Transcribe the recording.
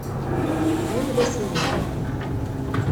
Ɛiwed asiwel.